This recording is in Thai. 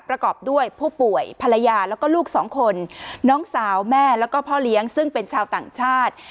ประกอบด้วยผู้ป่วยภรรยาแล้วก็ลูกสองคนน้องสาวแม่แล้วก็พ่อเลี้ยงซึ่งเป็นชาวต่างชาติ